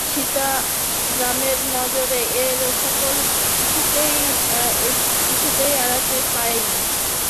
সীতারামের নজরে এ সকল কিছুতেই এড়াইতে পায় না।